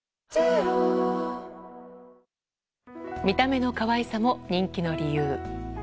見た目の可愛さも、人気の理由。